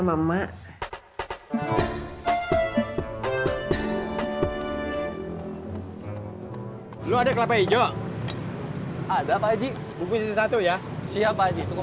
mama lu ada kelapa hijau ada pak haji satu ya siapa aja